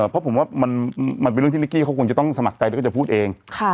เพราะผมว่ามันเป็นเรื่องที่นิกกี้เขาคงจะต้องสมัครใจแล้วก็จะพูดเอง